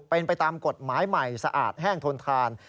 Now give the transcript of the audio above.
เป็นไปตามกฎหมายใหม่สะอาดแห้งทนทาน